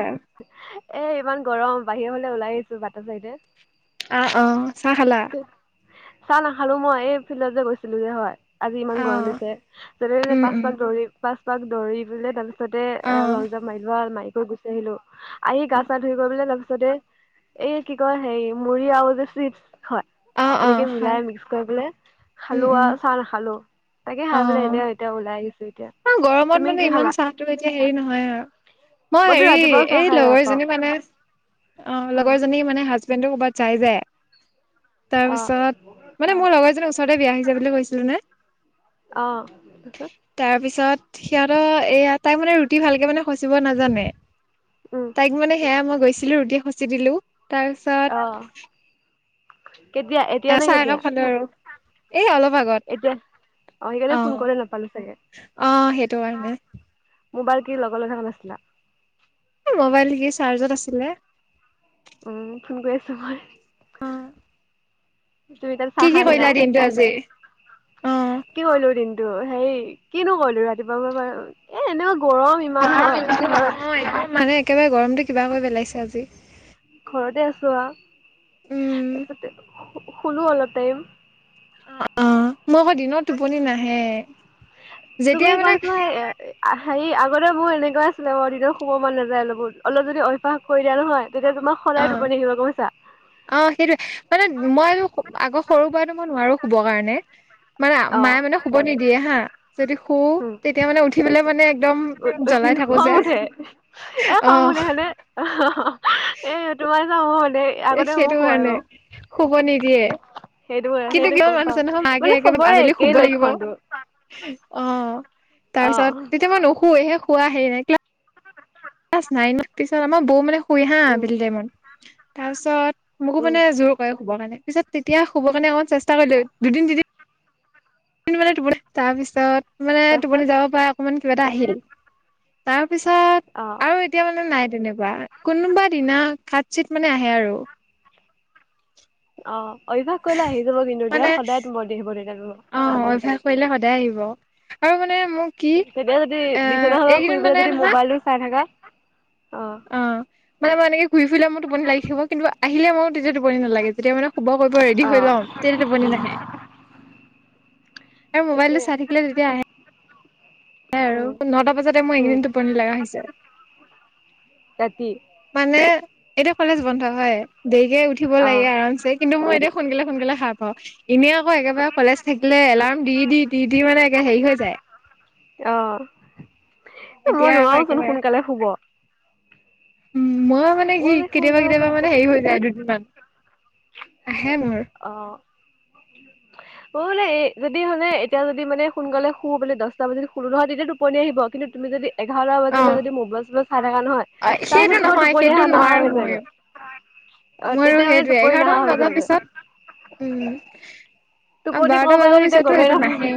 অ এ ইমান গৰম বাহিৰৰ ফালে ওলাই আহিছো। ভা আহ অ, চাহ খালা? চাহ নাখালো মই, এই ফিল্ডত যে গৈছিলো যে হয়। আজি ইমান গৰম দিছে। যে উম পাচ উম পাক দৌৰি পাচ পাক দৌৰি পেলে তাৰপিছতে অ লং জাপ মাৰি লোৱা মাৰি কৰি গুচি আহিলো। আহি গা চা ধুই কৰিবলে তাৰপিছতে এই কি কয় হে মুৰি আৰু চিপচ হয়, অ অ এনেকে হয় মিলাই মিক্স কৰি পেলাই উম খালো উম আৰু চাহ নাখালো। তাকে অ খাই বোলে এনেও এতিয়া ওলাই আহিছো এতিয়া। অ, গৰমত তুমি মানে কি ইমান খালা চাহটো এতিয়া হেৰি নহয় আৰু। মই মইতো হেৰি ৰাতিপুৱাও চাহ এই খাই বেয়া পাওঁ লগৰজনী মানে অ, অ লগৰজনী মানে হাজবেণ্ডো কবাত যায় যে। অ তাৰপিছত মানে মোৰ লগৰ এজনীৰ ওচৰতে বিয়া আহিছে বুলি কৈছিলো নে? অ'। তাৰ পিছত সিহঁতৰ এয়া তাই মানে ৰুটি ভালকে মানে খচিব নাজানে। উম তাইক মানে সেয়া মই গৈছিলো, ৰুটি খচি দিলো। অ', তাৰপিছত কেতিয়া? এতিয়া নে কেতিয়া? আৰু এই অলপ আগত। এতিয়া সেইকাৰণে ফোন অ' কৰিব নাপালো চাগে, অ', সেইটো কাৰণে। মোবাইল কি লগত লৈ থকা নাছিলা? এ মোবাইল কি চাৰ্জত আছিলে। উম, ফোন কৰি আছো মই। অ'। তুমি তাত কি চাহ কি খাই আহিলা কৰিলা ও, দিনটো আজি অ কি কৰিলো দিন টো সেই কিনো কৰিলোঁ ৰাতিপুৱাৰ পৰা [unintelligible] এ এনেও [unintelligible] মানে একেবাৰে গৰমটো কিবা কৰি পেলাইছে আজি। ঘৰতে আছো আ, উম তাৰপাছতে শুলো আৰু অলপ টাইম। অ' মই আকৌ দিনত টোপনি নাহে। যেতিয়া তুমি মানে [unintelligible] হেৰি আগতে মোৰ এনেকুৱা আছিলে। মই দিনত শুব মন নাযায়। [unintelligible] অলপ যদি অভ্যাস কৰি দিয়া নহয় তেতিয়া তোমাৰ অ সদায় টোপনি আহিব, গম পাইছা? অ সেইটোৱে। মানে মইও আগৰ সৰুৰ পৰাই তো মই নোৱাৰো শুব কাৰণে। মানে অ', মায়ে মানে শুব নিদিয়ে হা। যদি শু উম। তেতিয়া মানে উঠি পেলাই মানে একদম উঠি জ্বলাই থাকো খং যে, উঠে এ খং উঠে অহ। হয়নে এ তোমাৰ [unintelligible] এ মোক সেইটো খুৱাব কাৰণে শুব নিদিয়ে। সেইটো কিন্তু সেইটো কিমান গম মানুহ পাও আছে নহয় মাকে মানে একে চবৰে আবেলি একেই শুব লাগিব। লক্ষণটো অ' অ তাৰপিছত তেতিয়া মই নুশুৱে। সেই শুৱা হেৰি নাই। ক্লা ক্লাছ নাইনত, পিছত আমাৰ বৌ মানে শুই হা উম আবেলি টাইমত। তাৰপিছত মোকো উম মানে জোৰ কৰে শুবৰ কাৰণে। পিছত তেতিয়া শুবৰ কাৰণে অকমান চেষ্টা কৰিলো। দুদিন তিদিন মানে টোপনি তাৰপিছত মানে তাৰপিছত টোপনি যাব পাৰে অকমান। কিবা এটা আহিল তাৰ তাৰপিছত অ আৰু এতিয়া মানে নাই। তেনেকুৱা, কোনোবা দিনা কাচিৎ মানে আহে আৰু। অ' অভ্যাস কৰিলে আহি যাব। কিন্তু দিয়া মানে সদায় [unintelligible] অ' অভ্যাস কৰিলে সদায় আহিব আৰু মানে মোৰ কি তেতিয়া যদি এ বিচনাখনত শুই এইকিদিন পেলাই মানে যদি নহয় মোবাইলটো চাই থাকা অ'। মানে মই এনেকে ঘূৰি ফুৰিলে মোৰ টোপনি লাগি থাকিব। কিন্তু আহিলে মৰো তেতিয়া টোপনি নালাগে। যেতিয়া মানে শুব কৰিব ৰেডী অ হৈ লওঁ তেতিয়া টোপনি নাহে। [inaudible] এই মোবাইল সেইটোৱে টো চাই থাকিলে তেতিয়া আহে। আৰু উম পোন্ধটা পাছতে মোৰ উম এইকেইদিন টোপনি লাগা হৈছে। ৰাতি মানে এতিয়া কলেজ বন্ধ হয় দেৰিকে উঠিব লাগে অ আৰামছে কিন্তু মই এতিয়া সোনকালে সোনকালে সাৰ পাওঁ। এনেই আকৌ একেবাৰে কলেজ থাকিলে এলাৰ্ম দি দি দি দি মানে একে হেৰি হৈ যায়। অ'। মই এতিয়া আকৌ নোৱাৰো চোন একেবাৰে সোনকালে শুব। উ ময়ো মানে মই কি যে কেতিয়াবা সোনকালে কেতিয়াবা টোপনি মানে হেৰি হৈ যায় দুদিনমান। আহে মোৰ অ'। অ বোলে এই যদি মানে এতিয়া যদি মানে সোনকালে শু বোলে দছটা বাজিত শুলো নহয় তেতিয়া টোপনি আহিব কিন্তু তুমি যদি এঘাৰটা অ বাজিলে যদি মোবাইল চোবাইল চাই থাকা নহয় তাৰপিছত সেইটো তোমাৰ নহয় টোপনি সেইটো হা নাহা নোৱাৰো হৈ যাইগৈ। ময়ো অ মোৰো তেতিয়া মানে সেইটোয়ে টোপনি নাহা এঘাৰটামান হৈ বজাৰ যায় গৈ। পিছত উম আৰু ক'ৰ বাৰটা পৰা বজাৰ গ'ল তেতিয়া পিছততো গমেই সেইটো নাপাওঁ। নাহে।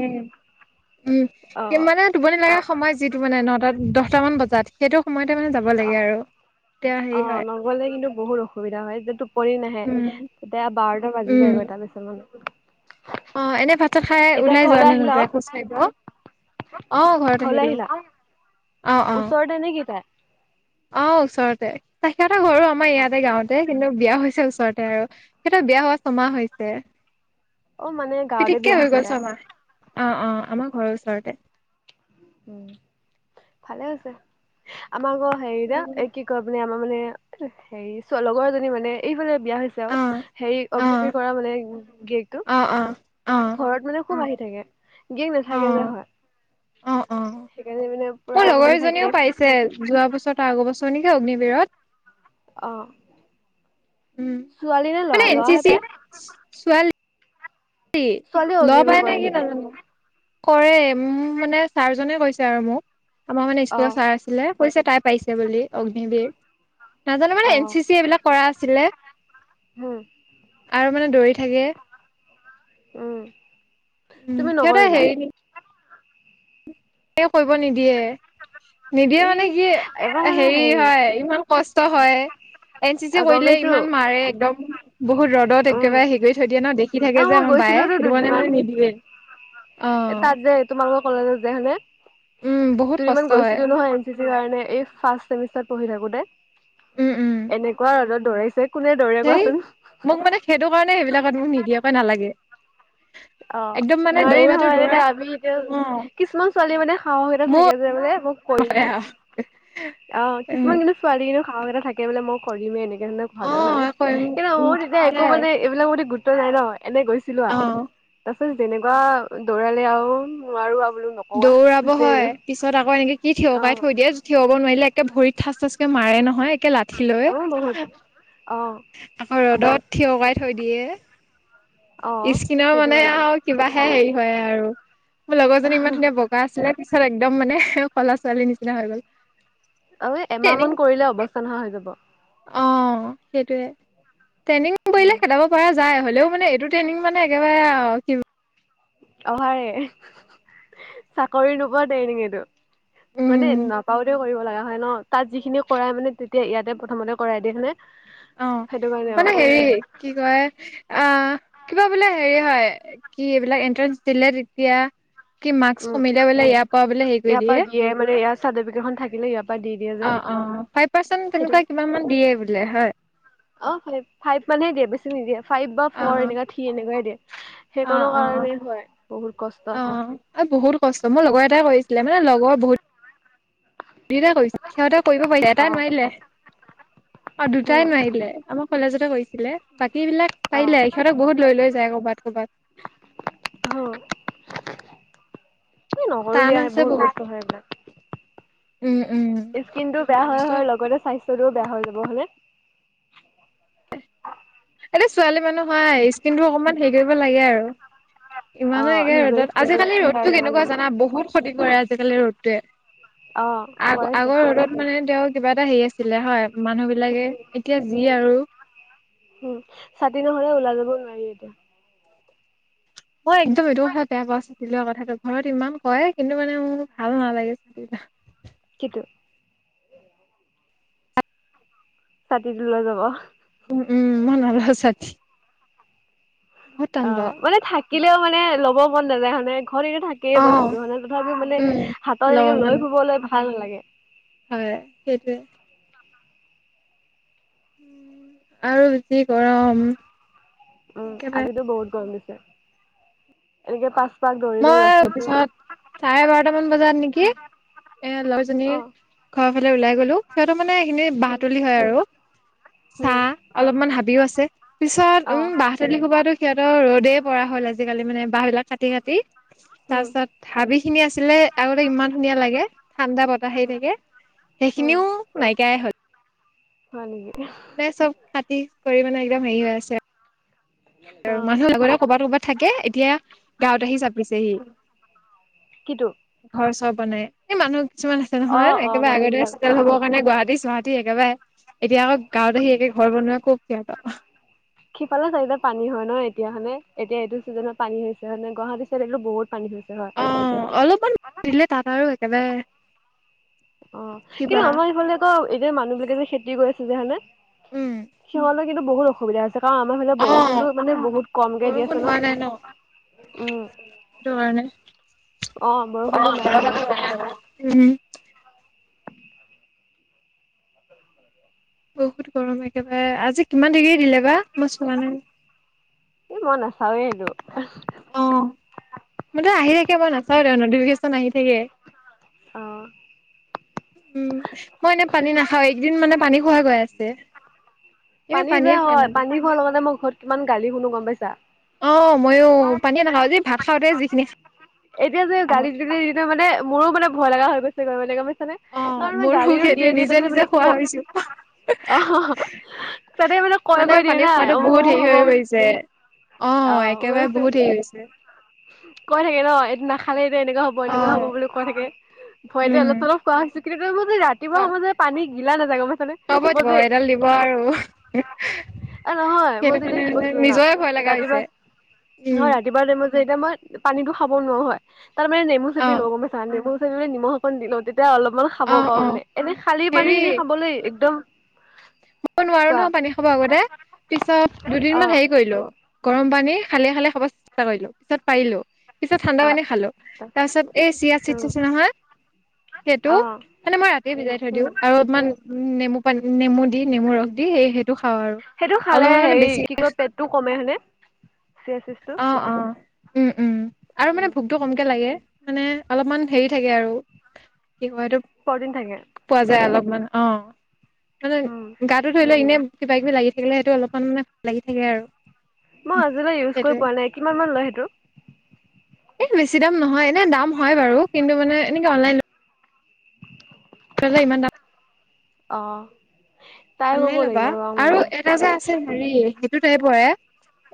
উম কি অ', মানে টোপনি লগা সময় যিটো মানে নটা দহটা মান বজাত সেইটো সময়তে মানে যাব অ লাগে আৰু তেতিয়া অ হেৰি হয় নগলে কিন্তু বহুত অসুবিধা হয় যি পৰি নাহে উম তেতিয়া বাৰটা বাজি উম যায় গৈ তাৰপিছত মানে অ এনে ভাত ভাত চাত খাই এতিয়া ওলাই যোৱা ঘৰলৈ নে আহিলা নোযোৱা আৰু খোজ কঢ়িব অ ঘৰত ঘৰলৈ আহিলো। আহিলা? অ অ ওচৰতে নেকি তাই? অ ওচৰতে ত সিহত ঘৰটো আমাৰ অ', ইয়াতে গাঁওতে কিন্তু বিয়া হৈছে ওচৰতে আৰু। বিয়া হোৱা ছমাহ হৈছে। অ', মানে গাঁৱতে বিয়া পিতিককে হৈ হৈছে গ'ল তাইৰ। চমাহ অ অ আমাৰ ঘৰৰ ওচৰতে উম ভালে হৈছে আমাৰক হেৰি দ এ কি কয় মানে মই মানে মানে হে লগৰজনী মানে এইফালে বিয়া হৈছে আৰু অ হে অ অগ্নিবিৰ কৰা মানে গিৰিয়েকটো অ অ অ অ ঘৰত মানে খুব আহি থাকে গিৰিয়েক অ নাথাকে যে হয় অ অ সেইকাৰণে মানে পুৰা মোৰ আহি লগৰ থাকে এজনীও পাইছে যোৱা বছৰ তাৰ আগৰ বছৰ নেকি অগ্নিবিৰত অ উম ছোৱালী নে মানে লৰা এন চি লৰাহে পায় ছোৱালীয়ে লৰা অগ্নিবিৰ পাই নে কৰে কি নেকি? নাজানো কৰে মানে ছাৰজনে কৈছে আৰু মোক আমাৰ মানে স্কুলৰ অ', ছাৰ আছিলে। কৈছে তাই পাইছে বুলি অগ্নিবীৰ নাজানো মানে এন অ', চি চি এইবিলাক কৰা আছিলে উম, আৰু মানে দৌৰি থাকে উম উম তুমি সিহঁতে নকৰিলা? হেৰি তেওঁ কৰিব নিদিয়ে নিদিয়ে ই মানে কি এবাৰ মানে হেৰি হয় ইমান কষ্ট হয় এন চি চি অ', গম কৰিলে পাইছোঁ ইমান মাৰে একদম। বহুত ৰ'দত উম, একেবাৰে হেৰি কৰি থৈ দিয়ে ন দেখি থাকে অ' যে মই আমাৰ বায়ে গৈছিলোতো সেইটো কাৰণে দুদিনমান মোক নিদিয়ে। অ তাত যে তোমালোকৰ কলেজত যে [unintelligible] উম বহুত তুম ইমান কষ্ট হয় গৈছিলো নহয় এন চি চি কাৰণ এই ফাষ্ট চেমিষ্টাৰত পঢ়ি থাকোতে। উম উম এনেকুৱা ৰদত দৌৰাইছে কোনে দৌৰে সেই কোৱাচোন মোক মানে সেইটো কাৰণে সেইবিলাকত মোক নিদিয়ে কয় নালাগে। অ একদম মানে নোৱাৰি দৌৰাটো নহয় দৌৰা তেতিয়া আমি এতিয়া অ কিছুমান ছোৱালী মানে সাহস এটা থাকে যে মানে মোক কৰি অ অ কিছুমান কিন্তু ছোৱালীও সাহস এটা থাকে বোলে মই কৰিমে এনেকে ধৰণে অ ভাবে হেনে কৰিম কিন্তু উম মোৰ তেতিয়া একো সেয়াই মানে এইবিলাক প্ৰতি গু ৰুত্ব নাই ন এনে গৈছিলো অ তাৰ পিছত যেনেকুৱা দৌৰালে আৰু নোৱাৰো আৰু বোলো নকওঁ আ দৌৰাব গুচি আহিলো। হয় পিছত আকৌ এনেকে কি থিয়কাই অ'। থৈ দিয়ে থিয় হব নোৱাৰিলে একে ভৰিত ঠাচ ঠাচকে মাৰে নহয় লাঠি লৈ, অ বহুত অ আকৌ ৰদত থিয়কাই থৈ দিয়ে অ স্কিনৰ সেইটো মানে কাৰণে আৰু কিবাহে হেৰি হয় আৰু মোৰ লগৰজনী ইমান ধুনীয়া বগা আছিলে পিছত একদম মানে ক'লা ছোৱালীৰ নিচিনা হৈ গ'ল। অ এমাহ ট্ৰেইনিং মান কৰিলে অৱস্থা নহোৱা হৈ যাব অ সেইটোয়ে, ট্ৰেইনিং উ কৰিলে খেদাব পৰা যায় হ'লেও মানে এইটো তুমি মানে একেবাৰে আও কি অহাৰে চাকৰি নোপোৱা ট্ৰেকিং এইটো। মানে উম নাপাওতে কৰিব লগা হয় ন তাত যিখিনি কৰাই মানে তেতিয়া ইয়াতে প্ৰথমতে কৰাই দিয়ে হয়নে অ সেইটো কাৰণে অ মানে হেৰি কি কয় অ কিবা বোলে হেৰি হয় কি এইবাক এণ্ট্ৰেন্স দিলে তেতিয়া কি মাক্স উম কমিলে বোলে ইয়াৰ পৰা বোলে হেৰি কৰি দিয়ে চাৰ্টিফিকেট খন থাকিলে ইয়াৰ পৰা দি দিয়ে যে অ অ ফাইভ পাৰ্চন সেইটো তেনেকুৱা কিমান মান দিয়ে বোলে হয়। অ ফাইভ ফাইভ মানহে দিয়ে বেছি নিদিয়ে, ফাইভ বা অ ফৰ এনেকুৱ থ্ৰী এনেকুৱে দিয়ে। সেই অ কোনো অ অ কাৰণেই হয় বহুত কষ্ট। অ আৰু বহুত কষ্ট মোৰ লগৰ এটা কৰিছিলে মানে লগৰ বহুত দুইটা কৰি সিহঁতে কৰিব পাৰিছা এটা অ নোৱাৰিলে। অ উম দুটাই নোৱাৰিলে, আমাৰ কলেজতে কৰিছিলে। বাকী বিলাক অ পাৰিলে সিহঁতক বহুত লৈ লৈ যায় কৰ'বাত কৰ'বাত। অহ আমি নকৰোঁ টান দিয়া আছে বোৰ বহুত কষ্ট হয় এইবাক। উম উম স্কিন টো বেয়া হয় কষ্ট হয় লগতে সেটো বেয়া হৈ যাব হয়নে। এইটো ছোৱালী মানুহ হয় স্কিন টো অকমান হেৰি কৰিব লাগে আৰু। ইমানো অ' একে নিজৰ ৰ'দত স্কিনটো আজিকালি চাই ৰ'দটো ল'ব কেনেকুৱা লাগে। জানা বহুত ক্ষতি কৰে আজিকালি ৰ'দটোৱে। অ' আগ কৰাইছে। আগৰ ৰদত মানে তেওঁক কিবা এটা হেৰি আছিলে হয়, মানুহ বিলাকে উম, এতিয়া যি আৰু উম ছাতি নহ'লে ওলাই যাব নোৱাৰি এতিয়া মই একদম এইটো কথা বেয়া পাওঁ চাতি লোৱা কথাটো ঘৰত ইমান কয় কিন্তু মানে মোৰ ভাল নালাগে চাতি কিটো ছাতিটো লৈ যাব উম উম মই নলওঁ ছাতি বহুত টান অ পাওঁ মানে থাকিলেও মানে ল'ব মন নাযায় মানে। ঘৰত এনে অ থাকেইে বস্তুটো তথাপিও মানে উম হাতত ল'ব এনেকে মন লৈ ফুবলৈ ভাল নালাগে। হয় সেইটোৱে আৰু বেছি গৰম উম একেবাৰে আজিতো বহুত গম দিছে। এনেকে পাচ মই পিছত চাৰে বাৰটামান বজাত নেকি? এ অ', লৰাজনীৰ ঘৰৰ ফালে ওলাই গলো সিহঁতৰ মানে এনে উম, বাঁহতলি হয় আৰু। উম, চাহ অলপমান হাবিও আছে পিছত উম অ'। বাহ তোলি হুপাটো সিহতৰ ৰ'দ ৰদেই পৰা হ'ল আজিকালি মানে বাহ বিলাক কাটি কাটি তাৰ উম, পিছত হাবি খিনি আছিলে আগতে ইমান ধুনীয়া লাগে ঠাণ্ডা বতাহ হে থাকে উম, সেইখিনিও নাইকিয়াই হল। হয় নেকি? মানে চব খাতি কৰি মানে একদম হেৰি হৈ আছে। আৰু অ', মানুহৰ আগতে কৰবাত কৰবাত থাকে, এতিয়া গাঁৱত আহি চাপিছেহি। কিটো? ঘৰ চৰ বনাই এই মানুহ কিছুমান আছে নহয় অ', অ', একেবাৰে আগৰৰে মানুহবিলাক চেটেল হ'বৰ কাৰণে গুৱাহাতী গুৱাহাটী চুৱাহাতি একেবাৰে এতিয়া আকৌ গাঁৱত আহি একে ঘৰ বনোৱাই খুব বেয়া পাওঁ। সিফালে চাইডে পানী হয় ন এতিয়া হয়নে এতিয়া এইটো ছিজনত পানী হৈছে হয়নে গুৱাহাটী চাইড এইটো বহুত পানী হৈছে হয়। অ অলপমান দিলে তাত আৰু একেবাৰে অ কিবা কিন্তু আমাৰ ইফালে আকৌ এতিয়া মানুহ বিলাকে যে খেতি কৰি আছে যে হয়নে উম সিহঁতলৈ কিন্তু বহুত অসুবিধা আছে কাৰণ আমাৰফালে অ বৰষুণতো মানে বহুত কম কে দি আছে ন উম, সেটো কাৰণে অ', বৰষুণটো নাই আকৌ। উম বহুত গৰম একেবাৰে আজি কিমান দিগ্ৰি দিলে বা মই চোৱা নাই। এই মই নাচাওৱে এইটো অ মানে আহি থাকে মই নাচাওঁ নটিফিকেচন আহি থাকে আহ উম মই এনে পানী নাখাওঁ এইকিদিন মানে পানী খোৱাই গৈ আছে। এনে পানী যে পানীয়ে খোৱা হয় নাযায় পানী খোৱাৰ লগতে মই ঘৰত কিমান গালি শুনো গম পাইছা। অ মইও পানীয়ে নাখাওঁ যি ভাত খাওঁতে যিখিনি খা এতিয়া যে গালি দি দিলে মানে মোৰো মানে ভয় লগা হৈ গৈছে গম পইছা নাই অ কাৰণ মই মোৰো গালীও দিয়ে সেইটোৱে দে নিজে তা নিজে মানে খোৱা ক হৈছো আহ তাতে মানে কয় কৈ দিয়ে পানী নাই খোৱাটো অমুক বহুত অমুক হেৰি হব হৈ মানে গৈছে অ একেবাৰে বহুত সেই হৈছে। কৈ থাকে ন এইটো নাখালে যে এনেকুৱা হব অ এনেকুৱা হব বুলি কৈ থাকে। ভয়তে উম অলপ চলপ খোৱা হৈছো। কিন্তু কিন্তু যে ৰাতিপুৱা সময়ত যে পানী গিলা নাযায়গে মানে হ'ব দিব এডাল দিব আৰু। এ নহয় মই সেইটো যে এতিয়া কাৰণে কি মানে কৈছো জানা? নিজৰে ভয় লগা ৰাতিপুৱা হৈছে উম মই ৰাতিপুৱা টাইমত যে তেতিয়া মই পানীটো খাব নোৱাৰো হয়। তাৰ মানে নেমু অ চেপি লও গম পাইছা? নেমু চেপি মানে নিমখ অকণ দি লওঁ। তেতিয়া য়া অলপ অলপ খাব অ পাওঁ অ মানে। এনে খালি পানী খিনি খাবলে একদম মই নোৱাৰো কোৱা নহ পানী খাব আগতে। পিছত দুদিন মান অ', সেই কৰিলো। গৰম পানী খালে খালে খাব চেষ্টা কৰিলো। পিছত পাৰিলো। পিছত ঠাণ্ডা অ'। পানী খালো তাৰপিছত এই চিয়া উম, চিটচিদ নহয়। সেইটো অ', মানে মই ৰাতি ভিজাই থৈ উম। দিওঁ আৰু অলপমান উম নেমু পানী নেমু দি নেমু ৰস দি সেই সেই সেইটো খালে সেই কি কয় পেটটো কমে হয়নে? চিয়াচিদছটো। অ অ উম উম আৰু মানে ভোকটো কমকে লাগে। মানে অলপমান হেৰি থাকে আৰু কি কয় এটোক, প্ৰটিন থাকে, পোৱা যায় অলপমান অ মানে উম। গাটো ধৰি লোৱা এনে। কিবা কিবি লাগি থাকিলে সেইটো অলপমান মানে লাগি থাকে আৰু। মই আজিলৈ ইউজ কৰি সেইটোৱে পোৱা নাই কিমান মান লয় সেইটো? এ বেছি দাম নহয়। এনে দাম হয় বাৰু কিন্তু মানে এনেকে অনলাইন ইমান দাম। অহ। অনলাইন ল'বা আৰু এটা যে আছে হেৰি সেইটো টাইপৰে।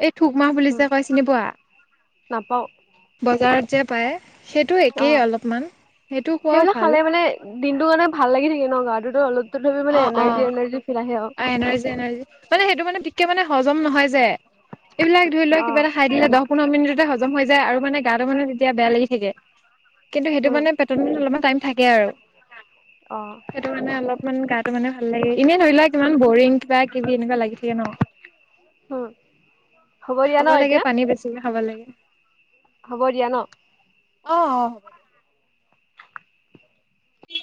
এই থুক মাহ বুলি উম, যে কয় চিনি পোৱা? নাপাওঁ বজাৰত যে পায়? সেইটো একেই অ'। অলপমান। সেইটো খোৱাও ভাল। দিনটো কাৰণে ভাল লাগি থাকে ন গাটোত অলপ। তথাপি মানে অ অ এনাৰ্জি এনাৰ্জি ফিল আহে আৰু। এনাৰ্জি এনাৰ্জি মানে সেইটো মানে তিককে মানে হজম নহয় যে। এইবিলাক ধৰি লোৱা অ, কিবা এটা খাই দিলে দহ পোন্ধৰ মিনিটতে হজম হৈ যায় আৰু মানে গাটো মানে তেতিয়া বেয়া লাগি থাকে। কিন্তু সেইটো উম, মানে পেটত অলপমান টাইম থাকে আৰু অ, সেইটো মানে অলপ গাটো মানে ভাল লাগে এনেই ধৰি লোৱা কিমান বৰিং কিবা কিবি এনেকুৱা লাগি থাকে ন। উম, হ'ব দিয়া খাব ন লাগে এতিয়া পানী বেছিকে খাব লাগে। হ'ব দিয়া ন। অ অ হ'ব দিয়া।